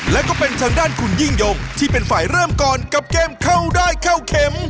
และก็เป็นทางด้านคุณยิ่งยงที่เป็นฝ่ายเริ่มก่อนกับเกมเข้าได้เข้าเข็ม